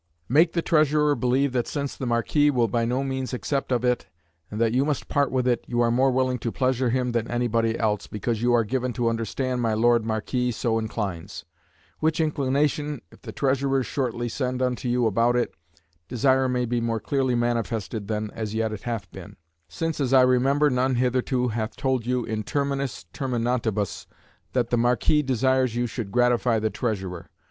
Make the Treasurer believe that since the Marquis will by no means accept of it, and that you must part with it, you are more willing to pleasure him than anybody else, because you are given to understand my Lord Marquis so inclines; which inclination, if the Treasurer shortly send unto you about it, desire may be more clearly manifested than as yet it hath been; since as I remember none hitherto hath told you in terminis terminantibus that the Marquis desires you should gratify the Treasurer.